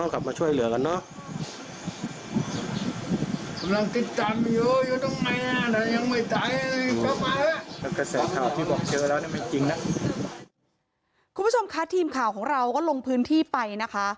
คุณผู้ชมคะทีมข่าวของเราก็ลงพื้นที่ไปนะคะ